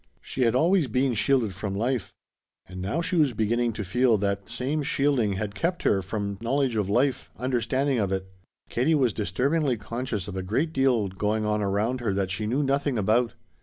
She had always been shielded from life. And now she was beginning to feel that that same shielding had kept her from knowledge of life, understanding of it. Katie was disturbingly conscious of a great deal going on around her that she knew nothing about.